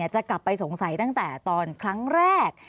จะกลับไปสงสัยตั้งแต่ตอนครั้งแรก